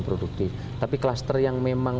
produktif tapi kluster yang memang